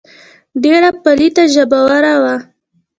ډېره پليته ژبوره وه.